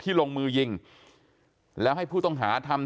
แต่ว่าวินนิสัยดุเสียงดังอะไรเป็นเรื่องปกติอยู่แล้วครับ